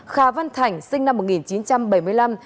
ba khà văn thảnh sinh năm một nghìn chín trăm bảy mươi năm